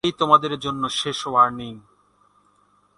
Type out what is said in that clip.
এটাই তোমাদের জন্য শেষ ওয়ার্নিং।